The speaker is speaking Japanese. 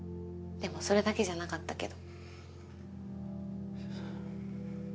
でもそれだけじゃなかったけど。